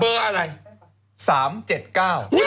เบอร์อะไร